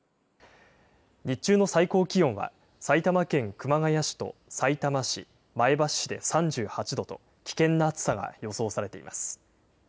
日中の最高気温は埼玉県熊谷市とさいたま市、前橋市で３８度と、危険な暑さが予想されています。